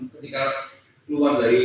ketika keluar dari